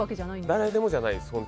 誰でもじゃないです。